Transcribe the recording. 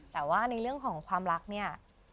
แต่ว่าในเรื่องของความรักเนี่ย